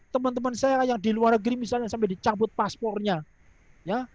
teman teman saya yang di luar negeri misalnya sampai dicabut paspornya ya